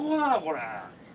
これ。